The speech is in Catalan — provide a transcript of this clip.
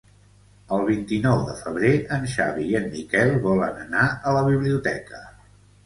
El vint-i-nou de febrer en Xavi i en Miquel volen anar a la biblioteca.